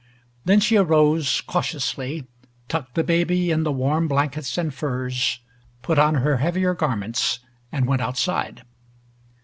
Then she arose cautiously, tucked the baby in the warm blankets and furs, put on her heavier garments, and went outside.